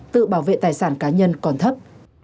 tự bảo vệ tài sản cá nhân còn thấp